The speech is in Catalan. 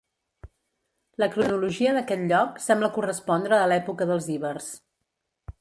La cronologia d'aquest lloc sembla correspondre a l'època dels ibers.